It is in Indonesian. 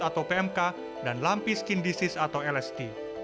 atau pmk dan lampi skin disease atau lst